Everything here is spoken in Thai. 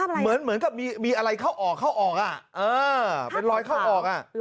เหมือนกับมีอะไรเข้าออกอ่ะเป็นลอยเข้าออกอ่ะ